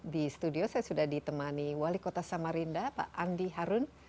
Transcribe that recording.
di studio saya sudah ditemani wali kota samarinda pak andi harun